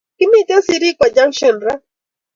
Kimiten sirikwa junction raa